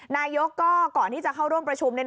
นายกก็ก่อนที่จะเข้าร่วมประชุม